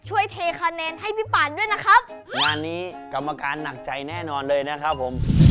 วันนี้กรรมการหนักใจแน่นอนเลยนะครับผม